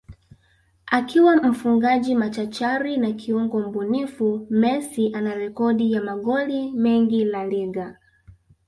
akiwa mfungaji machachari na kiungo mbunifu Messi ana Rekodi ya magoli mengi La Liga